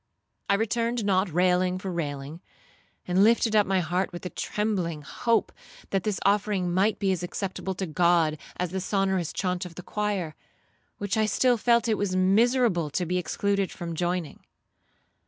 I returned not 'railing for railing,' and lifted up my heart with a trembling hope, that this offering might be as acceptable to God as the sonorous chaunt of the choir, which I still felt it was miserable to be excluded from joining.